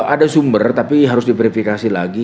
ada sumber tapi harus diverifikasi lagi